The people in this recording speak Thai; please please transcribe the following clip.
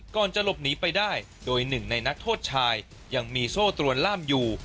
ก่อนจะหลบหนีไปได้โดยหนึ่งในนักโทษชายยังมีโซ่ตรวนล่ามอยู่